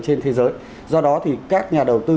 trên thế giới do đó thì các nhà đầu tư